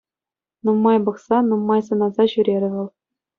Нумай пӑхса, нумай сӑнаса ҫӳрерӗ вӑл.